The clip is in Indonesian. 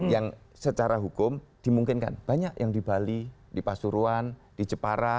yang secara hukum dimungkinkan banyak yang di bali di pasuruan di jepara